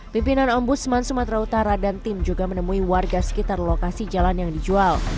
pimpinan ombudsman sumatera utara dan tim juga menemui warga sekitar lokasi jalan yang dijual